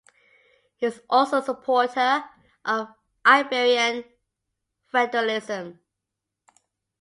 He was also a supporter of Iberian Federalism.